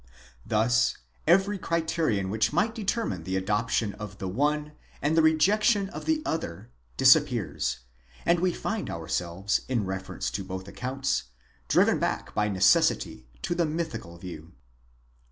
Thus every criterion which might determine the adoption of the one, and the rejection of the other, disappears; and we find ourselves, in reference to both accounts, driven back by necessity to the mythical view.